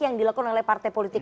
yang dilakukan oleh partai politik